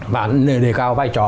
và đề cao vai trò